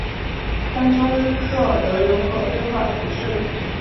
空中科尔德人口变化图示